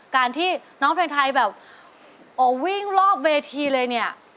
การที่น้องเพลงไทยแบบวิ่งรอบเวทีเลยเนี่ย